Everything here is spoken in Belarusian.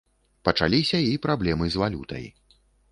Пачаліся і праблемы з валютай.